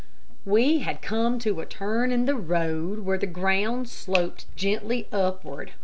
We had come to a turn in the road where the ground sloped gently upward.